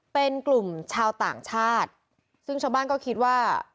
เป็นกลุ่มชาวต่างชาติซึ่งชาวบ้านก็คิดว่า